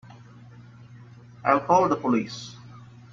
I'll call the police.